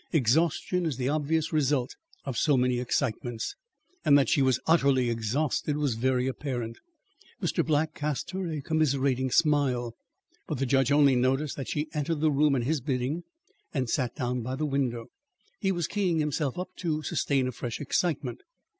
Exhaustion is the obvious result of so many excitements, and that she was utterly exhausted was very apparent. Mr. Black cast her a commiserating smile, but the judge only noticed that she entered the room at his bidding and sat down by the window. He was keying himself up to sustain a fresh excitement.